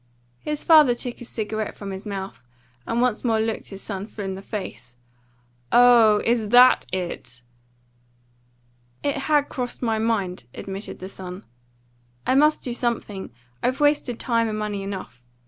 His father took his cigarette from his mouth and once more looked his son full in the face. "Oh, is THAT it?" "It has crossed my mind," admitted the son. "I must do something. I've wasted time and money enough.